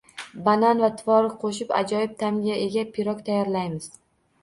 Banan va tvorog qo‘shib, ajoyib ta’mga ega pirog tayyorlaymiz